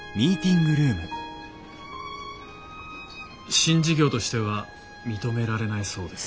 新事業としては認められないそうです。